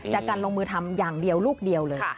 จากการลงมือทำอย่างเดียวลูกเดียวเลย